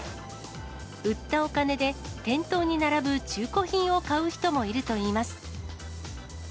売ったお金で店頭に並ぶ中古品を買う人もいるといいます。